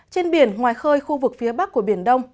trên biển ngoài khơi khu vực phía bắc của biển đông